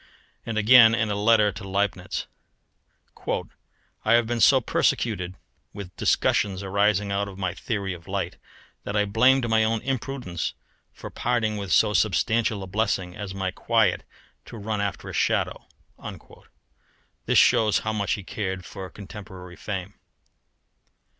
And again in a letter to Leibnitz: "I have been so persecuted with discussions arising out of my theory of light that I blamed my own imprudence for parting with so substantial a blessing as my quiet to run after a shadow." This shows how much he cared for contemporary fame.